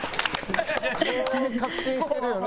もう確信してるよね。